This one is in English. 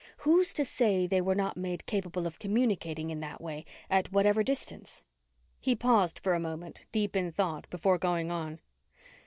Who's to say they were not made capable of communicating in that way at whatever distance?" He paused for a moment, deep in thought, before going on.